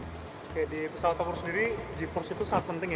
oke di pesawat tower sendiri g force itu sangat penting ya